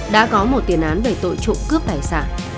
đã có một tiền án về tội trộm cướp tài sản